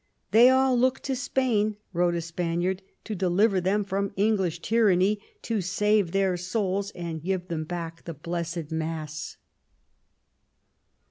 " They all look to Spain," wrote a Spaniard, " to deliver them from English tyranny, to save their souls, and give them back the blessed Mass."